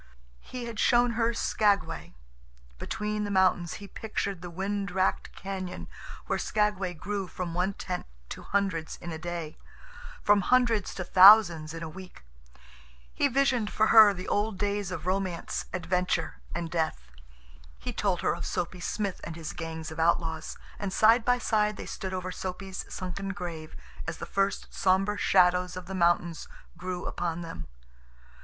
He had shown her Skagway. Between the mountains he pictured the wind racked cañon where Skagway grew from one tent to hundreds in a day, from hundreds to thousands in a week; he visioned for her the old days of romance, adventure, and death; he told her of Soapy Smith and his gang of outlaws, and side by side they stood over Soapy's sunken grave as the first somber shadows of the mountains grew upon them.